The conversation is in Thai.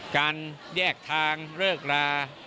การแยกทางเลิกลา